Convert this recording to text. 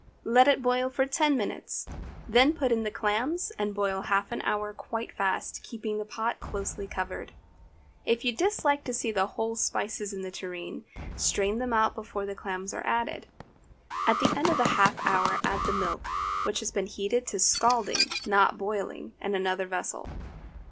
Let it boil for ten minutes, then put in the clams and boil half an hour quite fast, keeping the pot closely covered. If you dislike to see the whole spices in the tureen, strain them out before the clams are added. At the end of the half hour add the milk, which has been heated to scalding, not boiling, in another vessel.